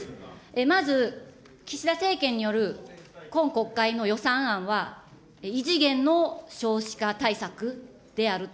まず岸田政権による今国会の予算案は、異次元の少子化対策であると。